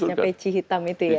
ciri khasnya pc hitam itu ya